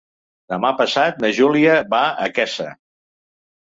Demà passat na Júlia va a Quesa.